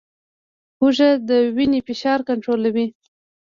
هوږه د وینې فشار کنټرولوي